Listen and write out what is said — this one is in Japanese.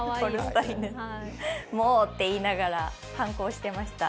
もうっていいながら、はんこ押してました。